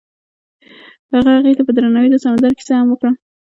هغه هغې ته په درناوي د سمندر کیسه هم وکړه.